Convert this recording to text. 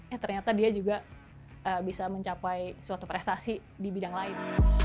eh ternyata dia juga bisa mencapai suatu prestasi di bidang lain